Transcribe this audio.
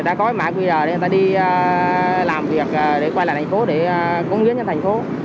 người ta có cái mã qr để người ta đi làm việc để quay lại thành phố để công nghiên cho thành phố